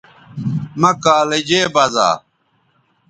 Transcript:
مہ کالجے بزا